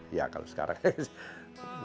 ya kalau sekarang